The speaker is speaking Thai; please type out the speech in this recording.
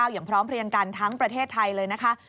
อย่างพร้อมเพลียงกันทั้งประเทศไทยเลยนะคะ